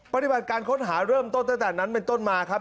ปฏิบัติการค้นหาเริ่มต้นตั้งแต่นั้นเป็นต้นมาครับ